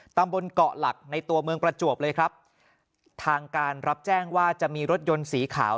ตำบลเกาะหลักในตัวเมืองประจวบเลยครับทางการรับแจ้งว่าจะมีรถยนต์สีขาว